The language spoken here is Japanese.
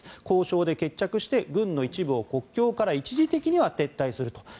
交渉で決着して軍の一部を国境から一時的には撤退すると。